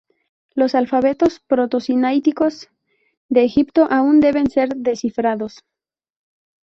Los alfabetos proto-sinaíticos de Egipto aún deben ser descifrados.